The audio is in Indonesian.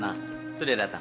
nah itu dia datang